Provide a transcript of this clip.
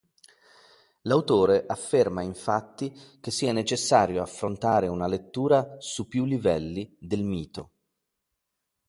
L'autore afferma infatti che sia necessario affrontare una lettura "su più livelli" del mito.